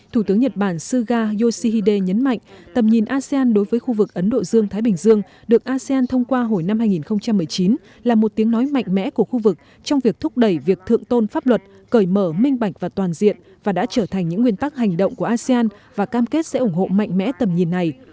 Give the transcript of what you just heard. thủ tướng nhật bản suga yoshihide nhấn mạnh tầm nhìn asean đối với khu vực ấn độ dương thái bình dương được asean thông qua hồi năm hai nghìn một mươi chín là một tiếng nói mạnh mẽ của khu vực trong việc thúc đẩy việc thượng tôn pháp luật cởi mở minh bạch và toàn diện và đã trở thành những nguyên tắc hành động của asean và cam kết sẽ ủng hộ mạnh mẽ tầm nhìn này